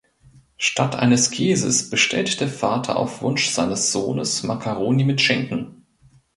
Statt eines Käses bestellt der Vater auf Wunsch seines Sohnes Makkaroni mit Schinken.